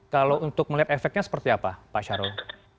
kalau untuk melihat efeknya seperti apa pak syarul